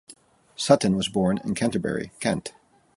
Sutton was born in Canterbury, Kent.